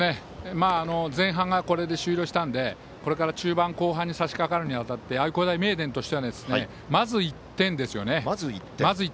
前半がこれで終了したのでこれから中盤、後半にさしかかるにあたって愛工大名電としてはまず１点ですよね。